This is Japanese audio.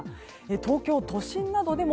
東京都心などでも